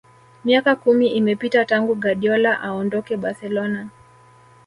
Miaka kumi imepita tangu Guardiola aondoke Barcelona